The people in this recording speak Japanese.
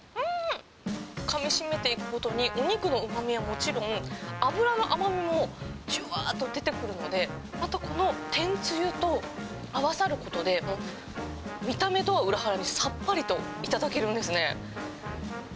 かみしめていくごとに、お肉のうまみはもちろん、脂の甘みもじゅわっと出てくるので、またこの天つゆと合わさることで、見た目とは裏腹にさっぱりと頂けるんですね。